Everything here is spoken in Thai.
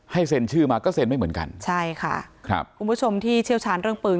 ให้เซลล์ชื่อมาก็เซลล์ไม่เหมือนกันใช่ค่ะคูณผู้ชมที่เชี่ยวชาญเรื่องปืน